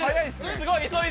◆すごい！